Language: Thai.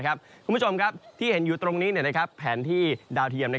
คุณผู้ชมครับที่เห็นอยู่ตรงนี้แผนที่ดาวเทียม